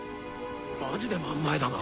マジで真ん前だな。